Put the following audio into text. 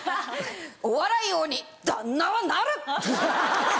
お笑い王に旦那はなる！